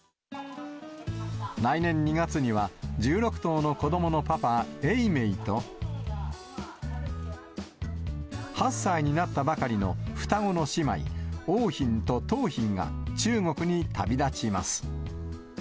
来年２月には、１６頭の子どものパパ、永明と、８歳になったばかりの双子の姉妹、桜浜と桃浜が中国に旅立ちます。